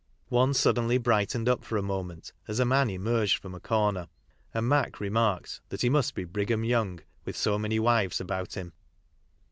One suddenly brightened up for a mo ment as a man emerged from a corner, and Mac remarked that he must be Brigham Young, with so many wives about him.